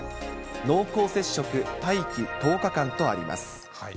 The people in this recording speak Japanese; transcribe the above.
濃厚接触、待機１０日間とあります。